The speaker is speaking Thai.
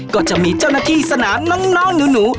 ก็จะมีเจ้าหน้าที่สนามน้องหนู